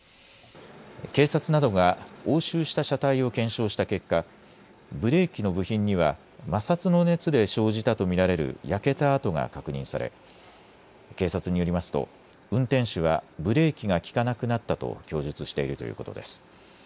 警察などが押収した車体を検証した結果、ブレーキの部品には摩擦の熱で生じたと見られる焼けた跡が確認され警察によりますと運転手はブレーキが利かなくなったと供述しているということです。